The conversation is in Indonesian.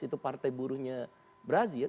itu partai buruhnya brazil